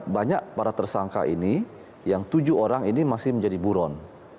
banyak para tersangka ini yang tujuh orang ini masih menjadi buron